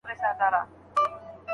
د کلي سيند راته هغه لنده خيشته راوړې